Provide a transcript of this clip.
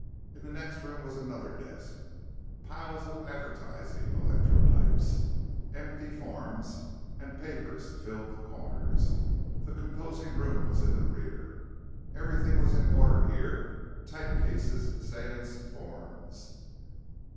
In the next room was another desk. Piles of advertising electrotypes, empty forms, and papers filled the corners. The composing room was in the rear. Everything was in order here; type cases, stands, forms.